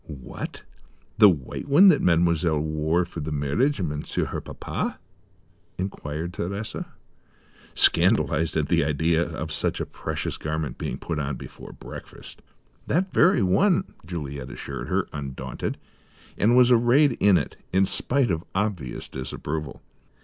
"What, the white one that Mademoiselle wore for the marriage of Monsieur, her papa?" inquired Thérèse, scandalized at the idea of such a precious garment being put on before breakfast. "That very one," Juliet assured her, undaunted; and was arrayed in it, in spite of obvious disapproval.